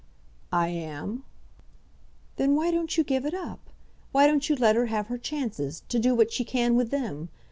"I am." "Then why don't you give it up? Why don't you let her have her chances, to do what she can with them?